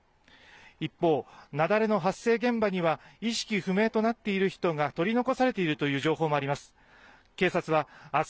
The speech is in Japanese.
一方、雪崩の発生現場には意識不明となっている人が取り残されているという情報もあります。